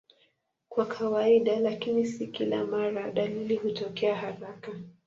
Kwa kawaida, lakini si kila mara, dalili hutokea haraka.